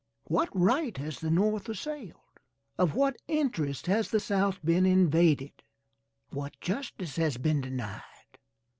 What right has the North assailed? Of what interest has the South been invaded? What justice has been denied?